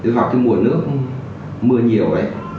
vào mùa nước mưa nhiều